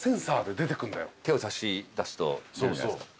手を差し出すと出るんじゃないですか。